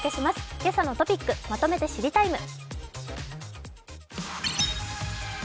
「けさのトピックまとめて知りＴＩＭＥ，」